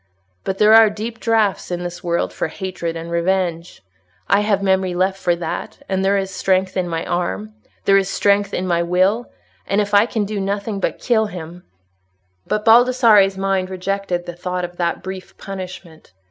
But there are deep draughts in this world for hatred and revenge. I have memory left for that, and there is strength in my arm—there is strength in my will—and if I can do nothing but kill him—" But Baldassarre's mind rejected the thought of that brief punishment.